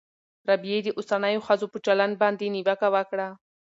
رابعې د اوسنیو ښځو په چلند باندې نیوکه وکړه.